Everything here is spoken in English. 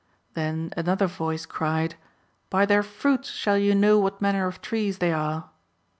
(4) Then another voice cried, "By their fruits shall ye know what manner of trees they are."